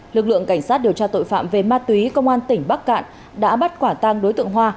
lực lượng cảnh sát điều tra tội phạm về ma túy công an tỉnh bắc cạn đã bắt quả tang đối tượng hoa